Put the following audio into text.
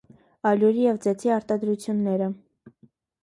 Ալյուրի և ձեթի արտադրությունները։